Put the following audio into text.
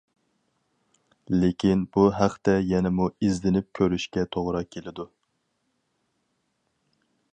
لېكىن بۇ ھەقتە يەنىمۇ ئىزدىنىپ كۆرۈشكە توغرا كېلىدۇ.